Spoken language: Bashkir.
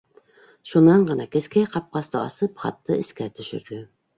Шунан һуң ғына, кескәй ҡапҡасты асып, хатты эскә төшөрҙө.